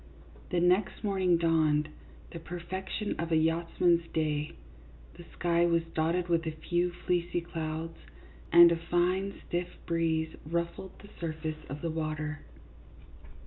The next morning dawned, the perfection of a yachtsman's day. The sky was dotted with a few fleecy clouds, and a fine stiff breeze ruffled the sur face of the water.